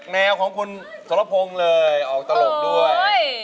แนวของคุณสรพงศ์เลยออกตลกด้วย